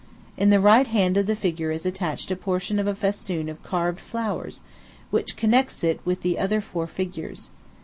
In the right hand of the figure is attached a portion of a festoon of carved flowers, which connects it with the other four figures.